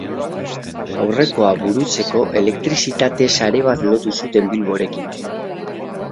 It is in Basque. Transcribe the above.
Aurrekoa burutzeko elektrizitate sare bat lotu zuten Bilborekin.